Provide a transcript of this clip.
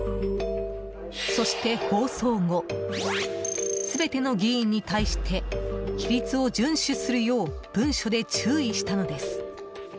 そして放送後全ての議員に対して規律を順守するよう文書で注意したのです。